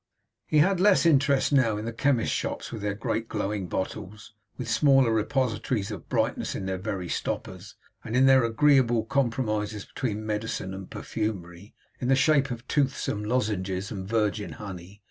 He had less interest now in the chemists' shops, with their great glowing bottles (with smaller repositories of brightness in their very stoppers); and in their agreeable compromises between medicine and perfumery, in the shape of toothsome lozenges and virgin honey.